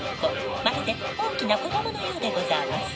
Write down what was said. まるで大きな子供のようでござあます。